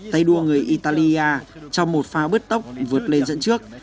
tay đua người italia trong một pháo bước tốc vượt lên dẫn trước